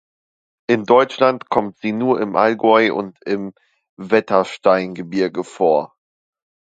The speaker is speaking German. In Deutschland kommt sie nur im Allgäu und im Wettersteingebirge vor.